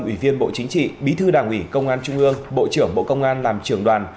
ủy viên bộ chính trị bí thư đảng ủy công an trung ương bộ trưởng bộ công an làm trưởng đoàn